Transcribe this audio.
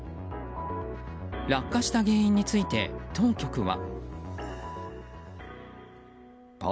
落下した原因について当局は。